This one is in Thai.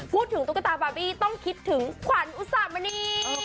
พูดถึงตุ๊กตาบาร์บีต้องคิดถึงขวัญอุสามณี